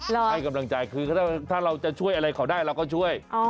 รออย่างนี้คือถ้าเราจะช่วยอะไรเขาได้เราก็ช่วย